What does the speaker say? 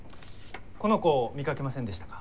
この子見かけませんでしたか？